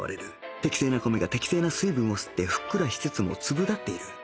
適正な米が適正な水分を吸ってふっくらしつつも粒立っている